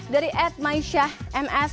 dari edmaisyah ms